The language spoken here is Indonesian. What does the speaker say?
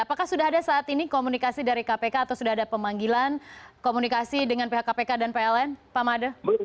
apakah sudah ada saat ini komunikasi dari kpk atau sudah ada pemanggilan komunikasi dengan pihak kpk dan pln pak made